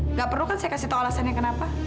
nggak perlu kan saya kasih tahu alasannya kenapa